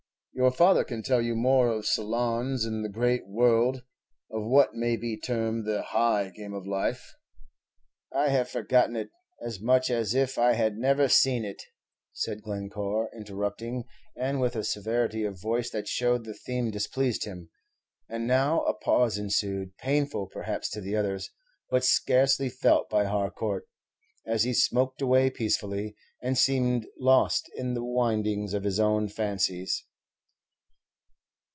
Your father can tell you more of salons and the great world, of what may be termed the high game of life " "I have forgotten it, as much as if I had never seen it," said Glencore, interrupting, and with a severity of voice that showed the theme displeased him. And now a pause ensued, painful perhaps to the others, but scarcely felt by Harcourt, as he smoked away peacefully, and seemed lost in the windings of his own fancies.